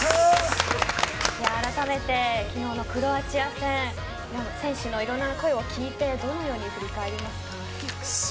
あらためて昨日のクロアチア戦選手のいろんな声を聞いてどのように振り返りますか？